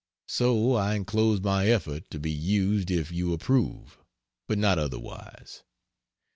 So I enclose my effort to be used if you approve, but not otherwise.